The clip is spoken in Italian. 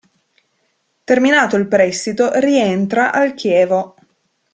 Terminato il prestito rientra al Chievo.